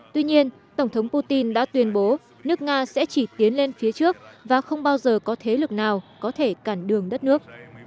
tuy nhiên tổng thống putin đã tuyên bố nước nga sẽ chỉ tiến lên phía trước và không bao giờ có thế lực nào có thể cản đường đất nước